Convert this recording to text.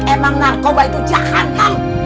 emang narkoba itu jahat